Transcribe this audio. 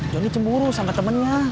johnny cemburu sama temennya